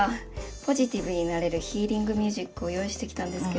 ポジティブになれるヒーリングミュージックを用意してきたんですけど。